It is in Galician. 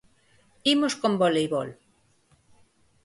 Imos con voleibol.